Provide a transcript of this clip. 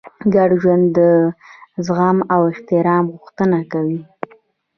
ګډ ژوند د زغم او احترام غوښتنه کوي.